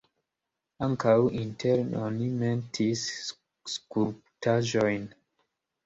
Ankaŭ interne oni metis skulptaĵojn.